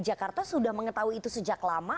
jakarta sudah mengetahui itu sejak lama